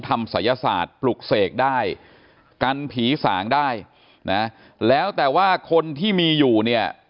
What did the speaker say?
ศัยศาสตร์ปลุกเสกได้กันผีสางได้นะแล้วแต่ว่าคนที่มีอยู่เนี่ย